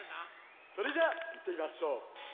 それじゃあいってみましょう。